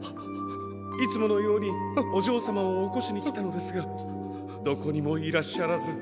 いつものようにおじょうさまをおこしにきたのですがどこにもいらっしゃらず。